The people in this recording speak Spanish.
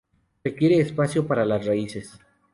Requiere espacio para las raíces.